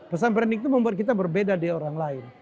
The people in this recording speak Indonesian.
personal branding itu membuat kita berbeda dari orang lain